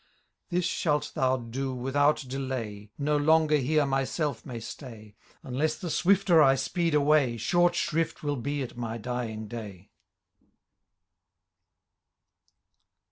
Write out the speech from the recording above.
^* This shalt thou do without delay : No longer here myself may stay ; Unless the swifter I speed away. Short shrift will be at my dying day."